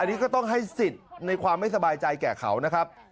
อันนี้ก็ต้องให้สิทธิ์ในความไม่สบายใจแก่เขานะครับ